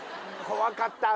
怖かった。